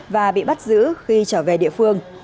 và bị bắt giữ khi trở về địa phương